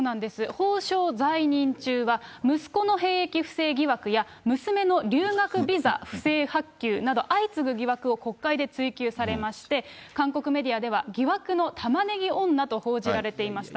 法相在任中は、息子の兵役不正疑惑や、娘の留学ビザ不正発給など、相次ぐ疑惑を国会で追及されまして、韓国メディアでは、疑惑のタマネギ女と報じられていました。